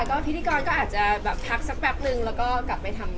ค่ะก็ว่าวิธีกรก็อาจจะแบบพักสักแป๊บหนึ่งแล้วก็กลับไปทำได้